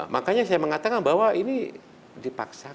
makanya saya mengatakan bahwa ini dipaksakan